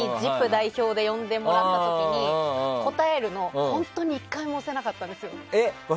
代表で呼んでもらった時に答えるボタンを本当に１回も押せなかったんです。